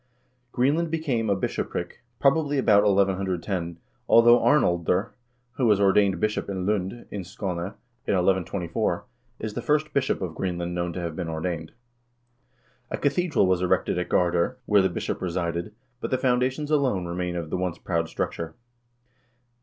Greenland became a bishopric, probably about 1110, though Arnaldr, who was ordained bishop in Lund, in Skane, 1124, is the first bishop of Greenland known to have been ordained. A cathedral was erected at Gardar, where the bishop resided, but the foundations alone remain of the once proud structure.